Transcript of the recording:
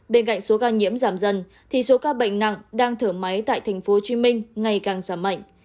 bên cạnh số ca nhiễm giảm dần thì số ca bệnh nặng đang thở máy tại tp hcm ngày càng giảm mạnh